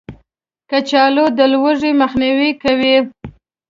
کچالو د لوږې مخنیوی کوي